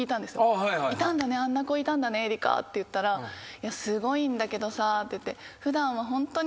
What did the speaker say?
あんな子いたんだね絵里香って言ったら「いやすごいんだけどさ」って言って。